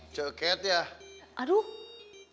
joket ya aduh